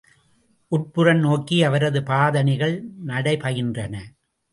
உட்புறம் நோக்கி அவரது பாதணிகள் நடைபயின்றன!